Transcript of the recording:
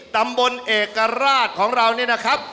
ตำบลเอกราชของเรานี่นะครับ